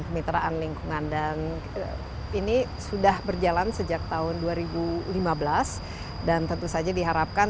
kemitraan lingkungan dan ini sudah berjalan sejak tahun dua ribu lima belas dan tentu saja diharapkan